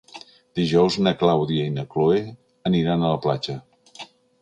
Dijous na Clàudia i na Cloè aniran a la platja.